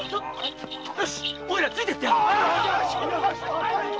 よしおいらついてってやる！